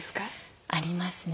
ありますね。